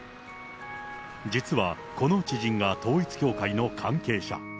実は、この知人が統一教会の関係者。